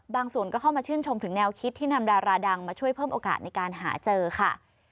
ส่วนก็เข้ามาชื่นชมถึงแนวคิดที่นำดาราดังมาช่วยเพิ่มโอกาสในการหาเจอค่ะ